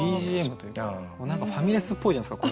何かファミレスっぽいじゃないですか